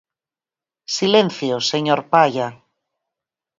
Silencio, señor Palla.